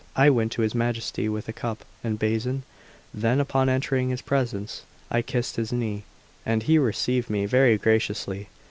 I went to his Majesty with the cup and basin; then, upon entering his presence, I kissed his knee, and he received me very graciously.